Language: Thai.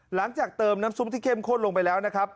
หลังจากเติมน้ำซุปที่เข้มข้นลงไปแล้วนะครับ